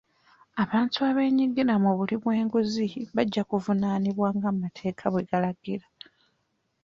Abantu abeenyigira mu buli bw'enguzi bajja kuvunaanibwa ng'amateeka bwe galagira.